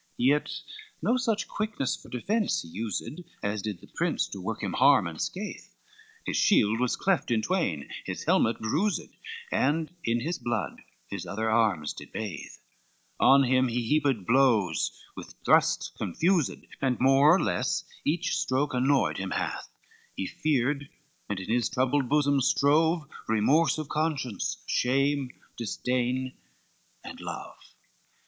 XL Yet no such quickness for defence he used, As did the prince to work him harm and scathe; His shield was cleft in twain, his helmet bruised, And in his blood his other arms did bathe; On him he heaped blows, with thrusts confused, And more or less each stroke annoyed him hath; He feared, and in his troubled bosom strove Remorse of conscience, shame, disdain and love.